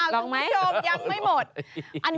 ลองไหมอ้าวลูกผู้ชมยังไม่หมด